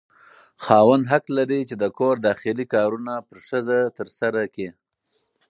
خاوند حق لري چې د کور داخلي کارونه پر ښځه ترسره کړي.